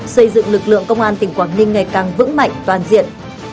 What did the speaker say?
xây dựng lực lượng công an tỉnh quảng ninh ngày càng vững mạnh toàn diện